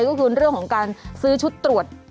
ก็คือเรื่องของการซื้อชุดตรวจ